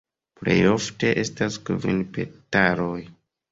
Plej ofte estas kvin petaloj.